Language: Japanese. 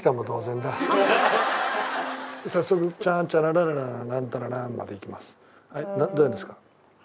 早速「チャンチャラララランランタララーン」までいきます。